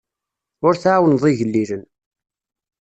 Ur tɛawneḍ igellilen.